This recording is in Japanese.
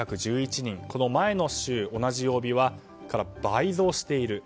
この前の週の同じ曜日から倍増している。